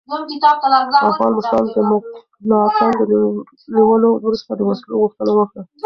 افغان مشرانو د مکناتن د نیولو وروسته د وسلو غوښتنه وکړه.